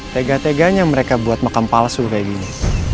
tega teganya mereka buat makam palsu kayak gini